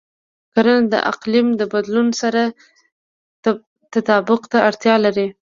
کرنه د اقلیم د بدلون سره تطابق ته اړتیا لري.